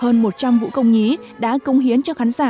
hơn một trăm linh vũ công nhí đã cống hiến cho khán giả